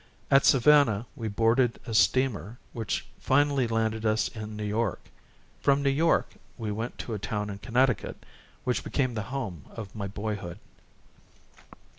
At Savannah we boarded a steamer which finally landed us in New York. From New York we went to a town in Connecticut, which became the home of my boyhood.